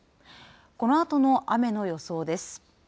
このあとの雨の予想です。